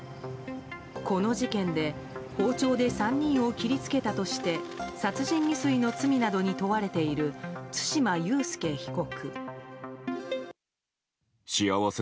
この事件で包丁で３人を切りつけたとして殺人未遂の罪などに問われている対馬悠介被告。